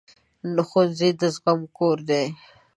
ښوونځی د زغم کور دی